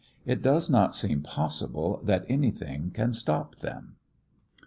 It does not seem possible that anything can stop them.